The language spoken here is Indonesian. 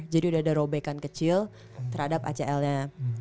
jadi udah ada robekan kecil terhadap acl nya